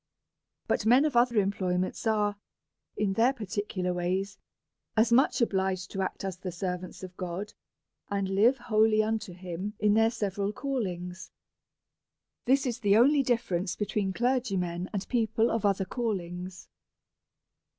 But men of other employments are, in their parti cular ways, as much obliged to act as the servants of God, and live wholly unto him in their several callings. This is the only difference between clergymen and people of other callings.